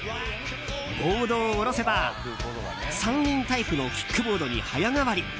ボードを下ろせば三輪タイプのキックボードに早変わり。